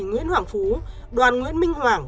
nguyễn hoàng phú đoàn nguyễn minh hoàng